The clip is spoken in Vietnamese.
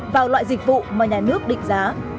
vào loại dịch vụ mà nhà nước định giá